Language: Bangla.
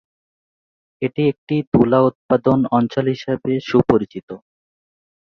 এটি একটি তুলা উৎপাদন অঞ্চল হিসেবে সুপরিচিত।